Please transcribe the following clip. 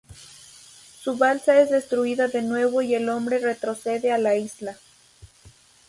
Su balsa es destruida de nuevo y el hombre retrocede a la isla.